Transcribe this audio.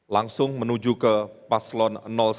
langsung menuju ke paslon satu